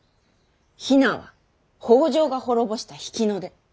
比奈は北条が滅ぼした比企の出。